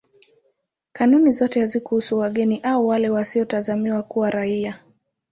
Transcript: Kanuni zote hazikuhusu wageni au wale wasiotazamiwa kuwa raia.